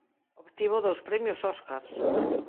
Obtivo dous premios Óscar.